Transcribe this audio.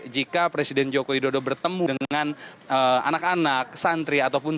jika presiden joko widodo bertemu dengan anak anak santri ataupun